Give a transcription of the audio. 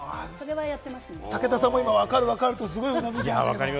武田さんも分かる分かるとうなずいていた。